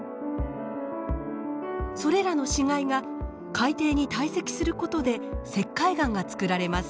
それらの死骸が海底に堆積する事で石灰岩がつくられます。